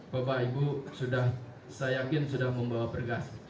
bapak ibu sudah saya yakin sudah membawa berkas